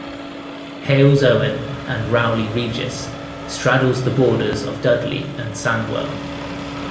Halesowen and Rowley Regis straddles the borders of Dudley and Sandwell.